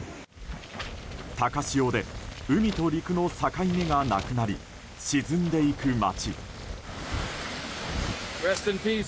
高潮で海と陸の境目がなくなり沈んでいく街。